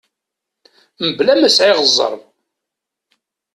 Mebla ma sɛiɣ zzerb.